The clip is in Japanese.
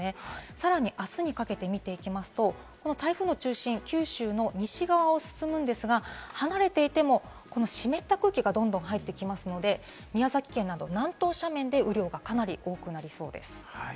さらに、明日にかけて見ていきますと、台風の中心、九州の西側を進むんですが、離れていても湿った空気がどんどん入っていきますので、宮崎県など南東斜面で雨量がかなり多くなりそうです。